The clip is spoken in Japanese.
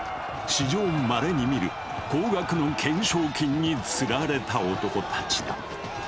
史上まれに見る高額の懸賞金につられた男たちだ。